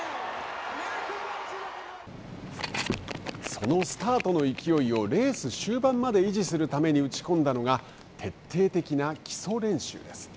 そのスタートの勢いをレース終盤まで維持するために打ち込んだのが徹底的な基礎練習です。